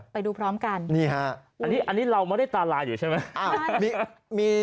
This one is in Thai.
ไปดูพร้อมกันนี่ฮะอันนี้เราไม่ได้ตาลายอยู่ใช่ไหม